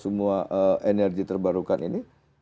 semua energi terbarukan ini